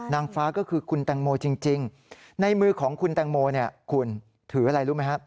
นางฟ้าก็คือคุณตางโมจริงในมือของคุณตางโมคุณถืออะไรรู้ไหมครับ